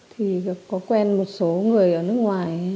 thì có quen một số người ở nước ngoài